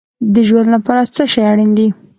د ژوند لپاره څه شی اړین دی؟